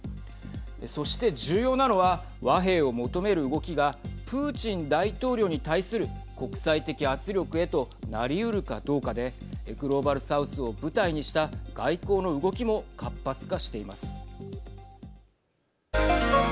そして重要なのは和平を求める動きがプーチン大統領に対する国際的圧力へとなりうるかどうかでグローバルサウスを舞台にした外交の動きも活発化しています。